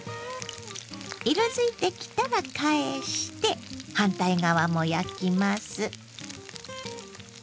色づいてきたら返して反対側も焼きます。